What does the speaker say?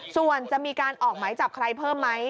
ส่วนจะมีการออกหมายจับใครเพิ่มไหม